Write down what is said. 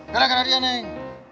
gak ada gak ada neng